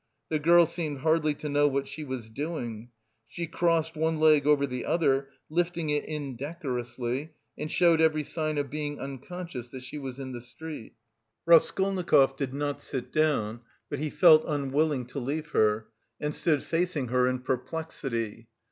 The girl seemed hardly to know what she was doing; she crossed one leg over the other, lifting it indecorously, and showed every sign of being unconscious that she was in the street. Raskolnikov did not sit down, but he felt unwilling to leave her, and stood facing her in perplexity.